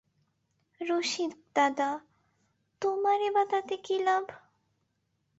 রসিকদাদা, তোমারই বা তাতে কী লাভ?